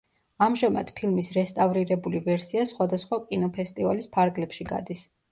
ამჟამად ფილმის რესტავრირებული ვერსია სხვადასხვა კინოფესტივალის ფარგლებში გადის.